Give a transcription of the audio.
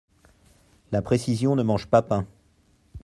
La précision ne mange pas pain.